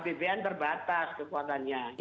abbn terbatas kekuatannya gitu lho